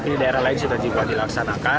di daerah lain sudah juga dilaksanakan